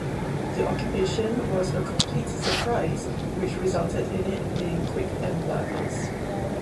The occupation was a complete surprise, which resulted in it being quick and bloodless.